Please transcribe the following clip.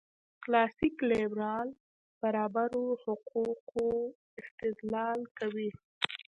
کلاسیک لېبرال برابرو حقوقو استدلال کوي.